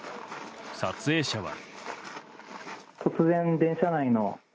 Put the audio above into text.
撮影者は。